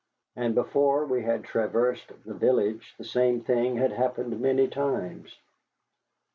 And before we had traversed the village the same thing had happened many times.